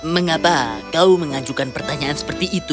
mengapa kau mengajukan pertanyaan seperti itu